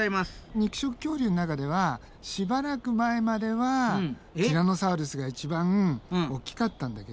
肉食恐竜の中ではしばらく前まではティラノサウルスが一番大きかったんだけど。